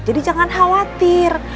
jadi jangan khawatir